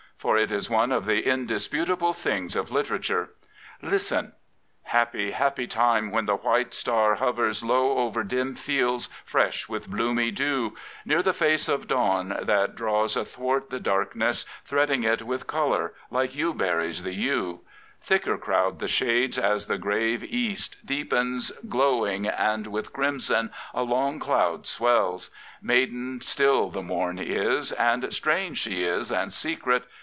For it is one of the indisputable things of literature. Listen; Happy, happy time when the white star hovers Low over dim fields fresh with bloomy dew, Near the face of dawn that draws athwart the darkness. Threading it with colour, like yewberries the yew. Thicker crowd the shades as the grave East deepens Glowing, and with crimson a long cloud swells. Maiden still the morn is; and strange she is, and secret.